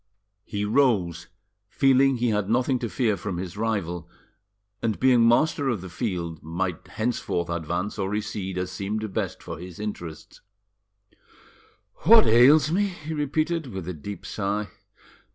He rose, feeling he had nothing to fear from his rival, and, being master of the field, might henceforth advance or recede as seemed best for his interests. "What ails me?" he repeated, with a deep sigh.